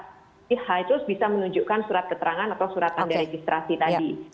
jadi harus bisa menunjukkan surat keterangan atau surat tanda registrasi tadi